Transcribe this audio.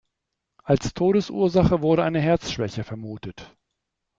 Als Todesursache wurde eine Herzschwäche vermutet.